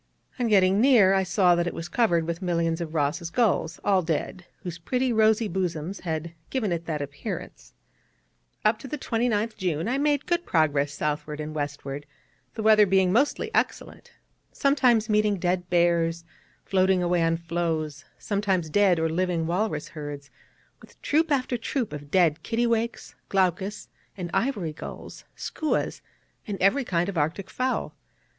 On getting near I saw that it was covered with millions of Ross's gulls, all dead, whose pretty rosy bosoms had given it that appearance. Up to the 29th June I made good progress southward and westward (the weather being mostly excellent), sometimes meeting dead bears, floating away on floes, sometimes dead or living walrus herds, with troop after troop of dead kittiwakes, glaucus and ivory gulls, skuas, and every kind of Arctic fowl.